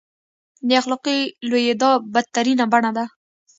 د اخلاقي لوېدا بدترینه بڼه ده.